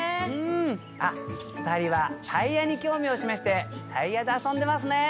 あっ２人はタイヤに興味を示して遊んでますね。